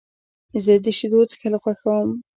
زه د شیدو څښل خوښوم.